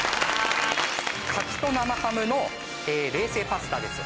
柿と生ハムの冷製パスタです。